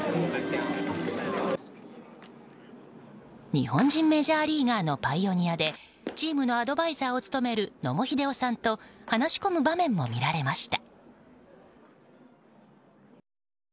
日本人メジャーリーガーのパイオニアでチームのアドバイザーも務める野茂英雄さんと話し込む場面も見られました。